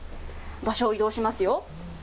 場所を移動しますよ。